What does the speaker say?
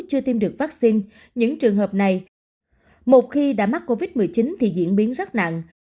chưa tiêm được vaccine những trường hợp này một khi đã mắc covid một mươi chín thì diễn biến rất nặng